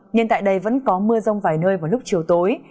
nhưng tại đây vẫn có mưa rông vài nơi vào lúc chiều tối